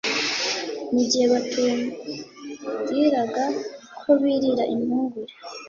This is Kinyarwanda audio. Mu gihe batubwiraga ko birira impungure